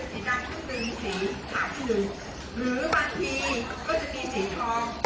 สีดันต้องมีสีขาดที่หนึ่งหรือบางทีจะมีสีทอง